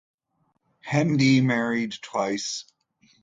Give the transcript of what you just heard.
Hende married twice.